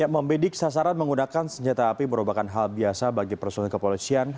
membidik sasaran menggunakan senjata api merupakan hal biasa bagi personil kepolisian